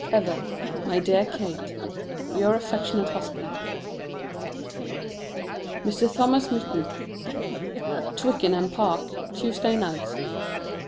Ever, my dear Kate, Your affectionate Husband. [Sidenote: Mr. Thomas Mitton.] TWICKENHAM PARK, _Tuesday Night.